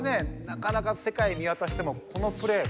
なかなか世界見渡してもこのプレー